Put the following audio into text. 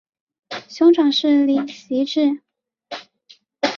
兄长是李袭志。